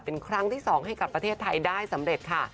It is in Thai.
เป็นครั้งที่๒ให้กับประเทศไทยได้สำเร็จค่ะ